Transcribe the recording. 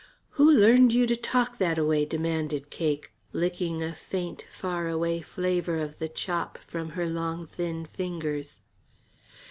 "Who learned you to talk that a way?" demanded Cake, licking a faint, far away flavour of the chop from her long, thin fingers.